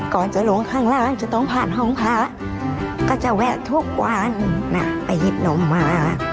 ก็จะแวะทุกวันน่ะไปหยิบนมมา